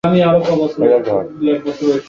হয়তো সে আনন্দ পাচ্ছিল না এবং আমাকে স্মরণ করছিল।